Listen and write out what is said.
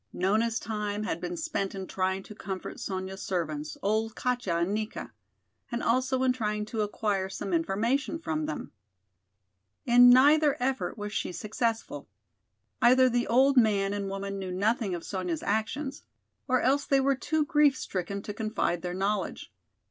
Nona's time had been spent in trying to comfort Sonya's servants, old Katja and Nika, and also in trying to acquire some information from them. In neither effort was she successful. Either the old man and woman knew nothing of Sonya's actions, or else they were too grief stricken to confide their knowledge.